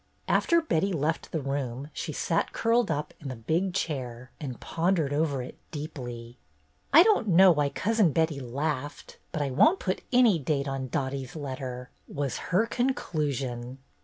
After Betty left the room she sat curled up in the big chair and pondered over it deeply. "I don't know why Cousin Betty laughed, but I won't put any date on Dottie's letter," was her conclusion.